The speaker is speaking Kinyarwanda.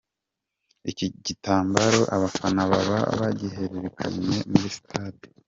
Iki gitambaro abafana baba bagihererekanye muri sitade